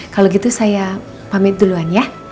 kalau gitu saya pamit duluan ya